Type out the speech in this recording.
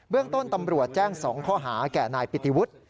เรื่องต้นตำรวจแจ้ง๒ข้อหาแก่นายปิติวุฒิ